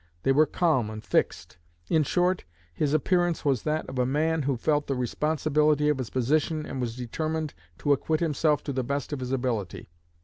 They were calm and fixed. In short, his appearance was that of a man who felt the responsibility of his position and was determined to acquit himself to the best of his ability.